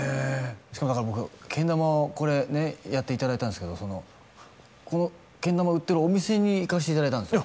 しかもだから僕けん玉これねやっていただいたんですけどそのこのけん玉売ってるお店に行かしていただいたんですよ